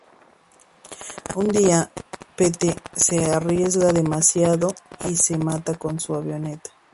Un día Pete se arriesga demasiado y se mata con su avioneta.